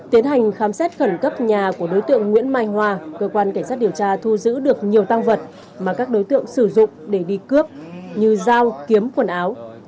tiến hành khám xét khẩn cấp nhà của đối tượng nguyễn mai hòa cơ quan cảnh sát điều tra thu giữ được nhiều tăng vật mà các đối tượng sử dụng để đi cướp như dao kiếm quần áo